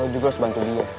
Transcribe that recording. ya lo juga harus bantu dia